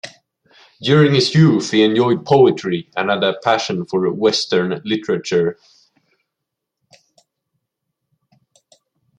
During his youth he enjoyed poetry and had a passion for Western literature.